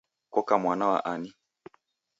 Koka mwana wa ani?